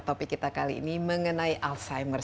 topik kita kali ini mengenai alzheimer